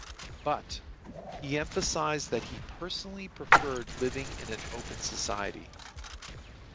But, he emphasized that he personally preferred living in an open society.